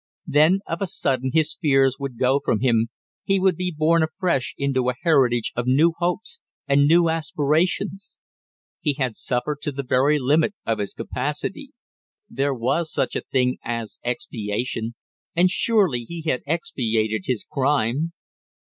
Then of a sudden his fears would go from him, he would be born afresh into a heritage of new hopes and new aspirations! He had suffered to the very limit of his capacity; there was such a thing as expiation, and surely he had expiated his crime.